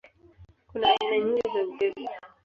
Kuna aina nyingi za upepo.